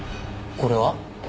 これは？